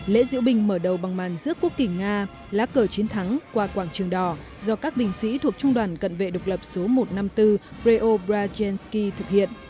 lễ diễu binh mở đầu bằng màn giữa quốc kỷ nga lá cờ chiến thắng qua quảng trường đỏ do các binh sĩ thuộc trung đoàn cận vệ độc lập số một trăm năm mươi bốn preo brazensky thực hiện